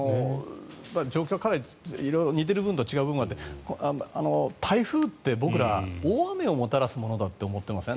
状況はかなり色々似ている部分と違う部分があって台風って僕ら大雨をもたらすものだと思ってません？